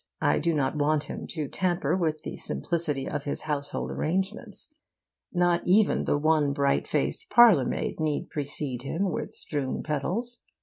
I do not want him to tamper with the simplicity of his household arrangements. Not even the one bright faced parlourmaid need precede him with strewn petals.